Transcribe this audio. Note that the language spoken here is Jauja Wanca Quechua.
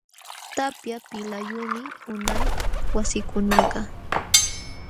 Tapya pilqayumi unay wasikunakaq.